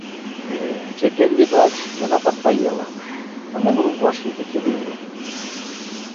Цяпер, відаць, яна пасталела, таму мы ўбачылі такі вынік.